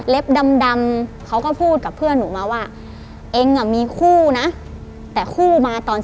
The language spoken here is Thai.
ดำเขาก็พูดกับเพื่อนหนูมาว่าเองอ่ะมีคู่นะแต่คู่มาตอน